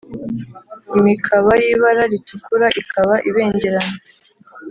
imikaba y'ibara ritukura ikaba ibengerana